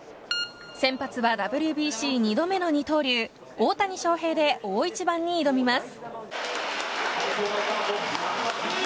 先発はＷＢＣ２度目の二刀流大谷翔平で大一番に挑みます。